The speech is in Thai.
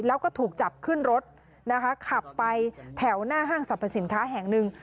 แล้วก็ถูกจับขึ้นรถนะคะขับไปแถวหน้าห้างสรรพสินค้าแห่งหนึ่ง